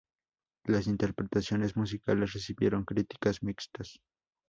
Las interpretaciones musicales recibieron críticas mixtas.